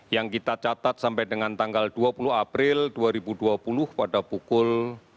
yang kita catat sampai dengan tanggal dua puluh april dua ribu dua puluh pada pukul